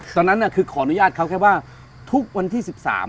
ตอนนั้นคือขออนุญาตเขาแค่ว่าทุกวันที่๑๓